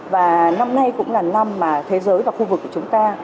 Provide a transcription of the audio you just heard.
và năm nay cũng là năm mà thế giới và khu vực của chúng ta